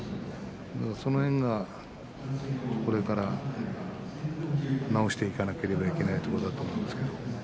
その辺がこれから直していかなければいけないところだと思うんですけど。